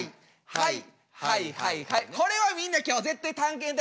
はい。